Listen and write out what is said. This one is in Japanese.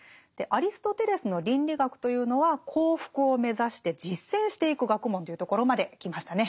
アリストテレスの倫理学というのは幸福を目指して実践していく学問というところまで来ましたね。